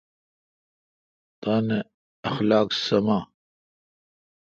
تان اخلاق سامہ۔